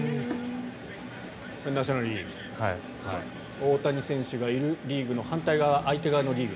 大谷選手がいるリーグの反対側相手側のリーグ。